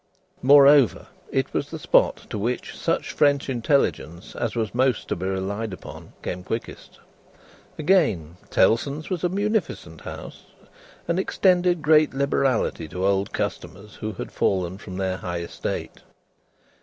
Moreover, it was the spot to which such French intelligence as was most to be relied upon, came quickest. Again: Tellson's was a munificent house, and extended great liberality to old customers who had fallen from their high estate.